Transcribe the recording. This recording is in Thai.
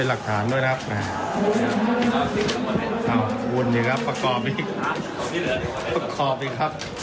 ลุงใจเย็นครับประกอบอีก